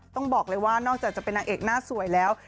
ต้องบอกเลยว่านอกจากจะเป็นนางเอกหน้าสวยแล้ว